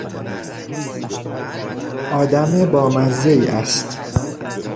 آدم بامزهای است!